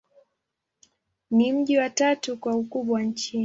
Ni mji wa tatu kwa ukubwa nchini.